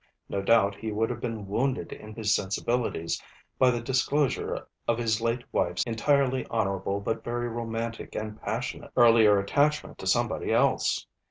No doubt he would have been wounded in his sensibilities by the disclosure of his late wife's entirely honourable, but very romantic and passionate earlier attachment to somebody else.